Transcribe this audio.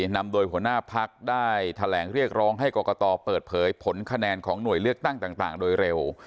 นำโดยหัวหน้าพักได้แถลงเรียกร้องให้กรกตเปิดเผยผลคะแนนของหน่วยเลือกตั้งต่างโดยเร็ว